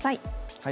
はい。